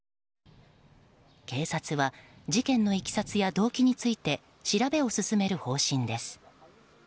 警察は事件のいきさつや動機について調べを進める方針です。